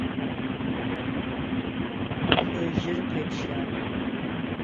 Хыжьыр къепщагъ.